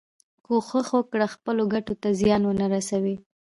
کوښښ وکړه خپلو ګټو ته زیان ونه رسوې.